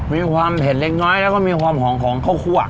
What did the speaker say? มีความเผ็ดเล็กน้อยแล้วก็มีความหอมของข้าวคั่ว